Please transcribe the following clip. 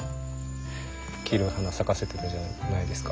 黄色い花咲かせてたじゃないですか。